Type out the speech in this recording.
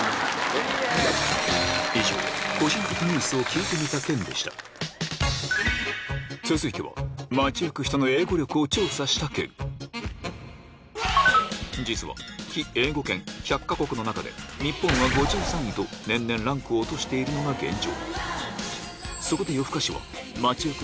以上個人的ニュースを聞いてみた件でした続いては実は非英語圏１００か国の中で日本は５３位と年々ランクを落としているのが現状